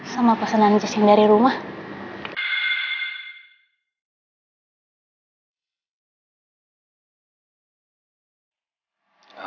sama pesanan jazz yang dari rumah